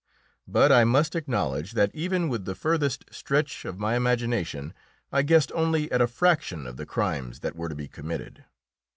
But I must acknowledge that even with the furthest stretch of my imagination I guessed only at a fraction of the crimes that were to be committed.